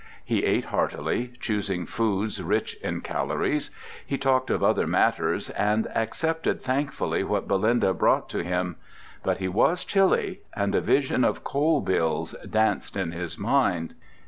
He ate heartily, choosing foods rich in calories. He talked of other matters, and accepted thankfully what Belinda brought to him. But he was chilly, and a vision of coal bills danced in his mind.